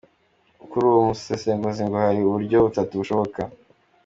Kuri uwo musesenguzi ngo hari uburyo butatu bushoboka: